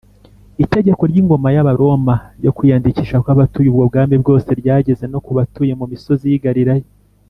Itegeko ry’ingoma y’Abaroma ryo kwiyandikisha kw’abatuye ubwo bwami bwose ryageze no ku batuye mu misozi y’ i Galilaya